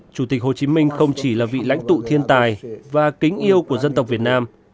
chủ tịch hồ chí minh không chỉ là vị lãnh tụ thiên tài và kính yêu của dân tộc việt nam